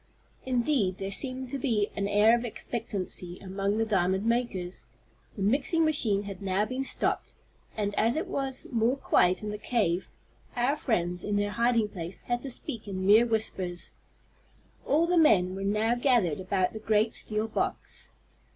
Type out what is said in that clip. Indeed there seemed to be an air of expectancy among the diamond makers. The mixing machine had now been stopped, and, as it was more quiet in the cave, our friends, in their hiding place, had to speak in mere whispers. All the men were now gathered about the great steel box.